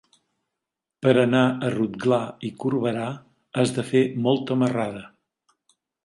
Per anar a Rotglà i Corberà has de fer molta marrada.